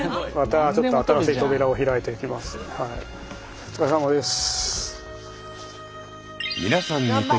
お疲れさまです。